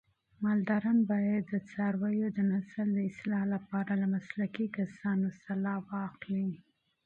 مالداران باید د څارویو د نسل د اصلاح لپاره له مسلکي کسانو مشوره واخلي.